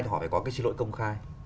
thì họ phải có cái xin lỗi công khai